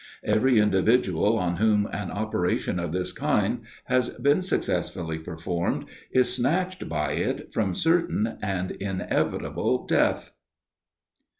Every individual, on whom an operation of this kind has been successfully performed, is snatched by it from certain and inevitable death!